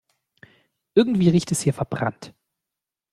Irgendwie riecht es hier verbrannt.